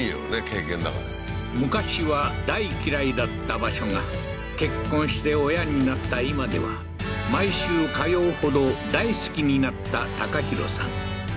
経験だから昔は大嫌いだった場所が結婚して親になった今では毎週通うほど大好きになった隆浩さん